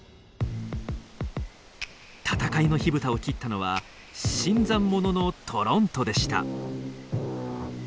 戦いの火蓋を切ったのは新参者のトロントでした。